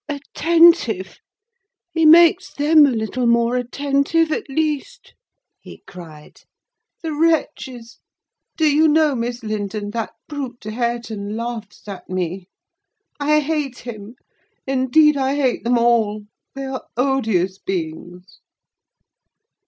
"Attentive? He makes them a little more attentive at least," he cried. "The wretches! Do you know, Miss Linton, that brute Hareton laughs at me! I hate him! indeed, I hate them all: they are odious beings."